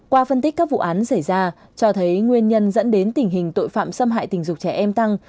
qua phân tích các vụ án xảy ra cho thấy nguyên nhân dẫn đến tình hình tội phạm xâm hại tình dục trẻ em tăng